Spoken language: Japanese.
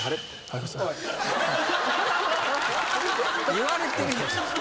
言われてるやん。